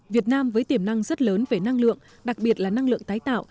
việt nam với tiềm năng rất lớn về năng lượng đặc biệt là năng lượng tái tạo